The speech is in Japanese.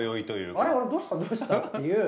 あれどうしたどうしたっていう。